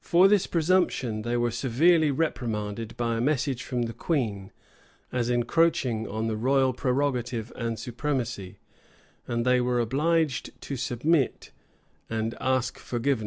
For this presumption they were severely reprimanded by a message from the queen, as encroaching on the royal prerogative and supremacy; and they were obliged to submit, and ask forgiveness.